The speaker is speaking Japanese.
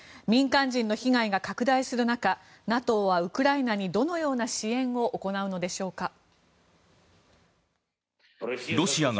民間人の被害が拡大する中ＮＡＴＯはウクライナにどのような支援を行うのでしょうか。